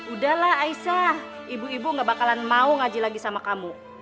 udahlah aisah ibu ibu gak bakalan mau ngaji lagi sama kamu